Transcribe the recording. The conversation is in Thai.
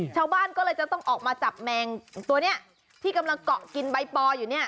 ชาวบ้านก็เลยจะต้องออกมาจับแมงตัวนี้ที่กำลังเกาะกินใบปออยู่เนี่ย